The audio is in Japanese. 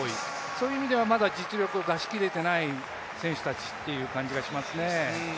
そういう意味では、まだ実力を出し切れていない選手たちという感じがしますね。